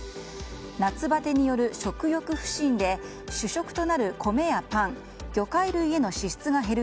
夏バテによる食欲不振で主食となる米やパン魚介類への支出が減る